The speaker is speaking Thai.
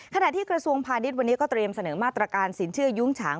ขณะที่กระทรวงพาณิชย์วันนี้ก็เตรียมเสนอมาตรการสินเชื่อยุ้งฉาง